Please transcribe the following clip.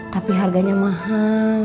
tapi harganya mahal